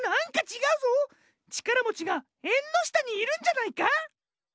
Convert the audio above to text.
ちからもちがえんのしたにいるんじゃないか？